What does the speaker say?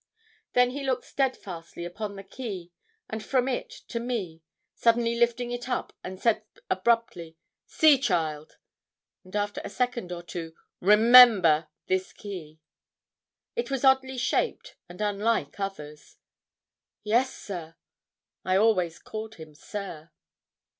Then he looked steadfastly upon the key, and from it to me, suddenly lifting it up, and said abruptly, 'See, child,' and, after a second or two, 'Remember this key.' It was oddly shaped, and unlike others. 'Yes, sir.' I always called him 'sir.'